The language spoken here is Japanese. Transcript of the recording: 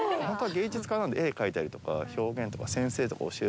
ホントは芸術家なんで絵描いたりとか表現とか先生とか。